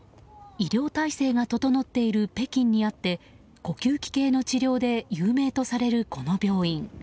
医療体制が整っている北京にあって呼吸器系の治療で有名とされるこの病院。